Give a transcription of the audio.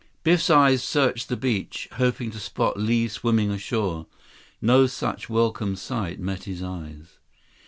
Biff's eyes searched the beach, hoping to spot Li swimming ashore. No such welcome sight met his eyes.